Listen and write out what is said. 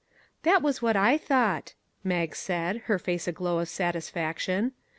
" That was what I thought," Mag said, her face in a glow of satisfaction.